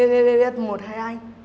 hai anh cũng cùng quê là ở đâu